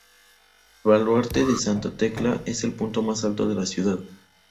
El baluarte de Santa Tecla, es el punto más alto de la ciudad.